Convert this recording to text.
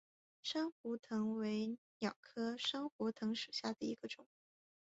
珊瑚藤为蓼科珊瑚藤属下的一个种。